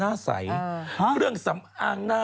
จากกระแสของละครกรุเปสันนิวาสนะฮะ